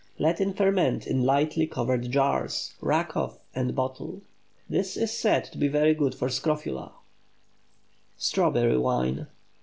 Let it ferment in lightly covered jars; rack off and bottle. This is said to be very good for scrofula. STRAWBERRY WINE.